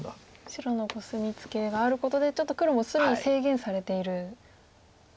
白のコスミツケがあることでちょっと黒も隅を制限されているんですね。